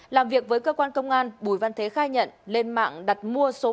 làm việc với cơ quan công an bùi văn thế khai nhận lên mạng đặt mua số pháo